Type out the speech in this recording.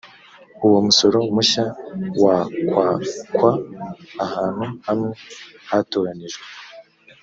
uwo musoro mushya wakwakwa ahantu hamwe hatoranijwe